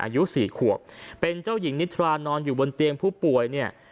อายุสี่ขวบเป็นเจ้าหญิงนิทรานอนอยู่บนเตียงผู้ป่วยเนี่ย